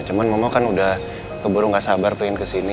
cuma mama kan udah keburu gak sabar pengen kesini